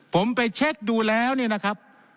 ผมไปเช็คดูแล้วเนี่ยนะครับ